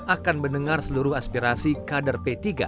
akan mendengar seluruh aspirasi kader p tiga